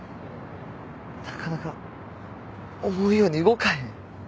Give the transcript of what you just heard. なかなか思うように動かへん。